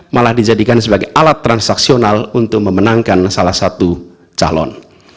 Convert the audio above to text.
malah dijadikan sebagai alat transaksional untuk memenangkan salah satu calon